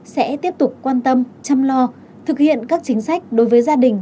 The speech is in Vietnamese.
sẽ tiếp tục quan tâm chăm lo thực hiện các chính sách đối với gia đình